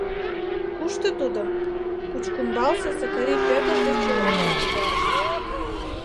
Кушто тудо — Кучкумбалсе Сакари Петр деч йодын кертыда.